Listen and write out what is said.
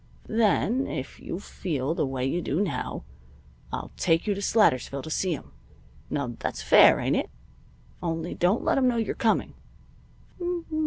Then, if you feel the way you do now, I'll take you to Slatersville to see him. Now that's fair, ain't it? Only don't let him know you're coming."